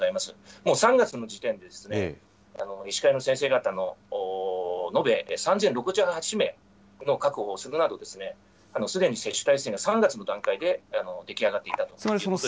もう３月の時点で、医師会の先生方の延べ３０６８名の確保をするなど、すでに接種体制が３月の段階で出来上がっていたということですね。